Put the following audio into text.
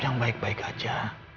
yang baik baik aja